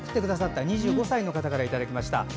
２５歳の方からいただきました。